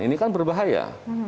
ini kan berbahaya